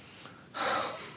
はあ。